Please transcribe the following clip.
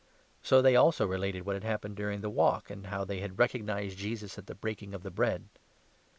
So they also related what had happened 35 during their walk, and how they had recognized Jesus at the Breaking of the Bread.